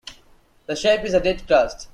The shape is a dead crust.